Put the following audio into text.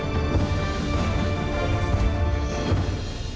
โปรดติดตามตอนต่อไป